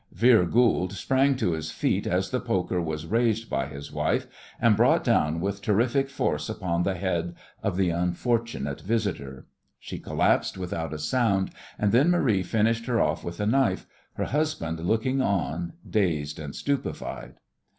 Vere Goold sprang to his feet as the poker was raised by his wife and brought down with terrific force upon the head of the unfortunate visitor. She collapsed without a sound, and then Marie finished her off with a knife, her husband looking on dazed and stupefied.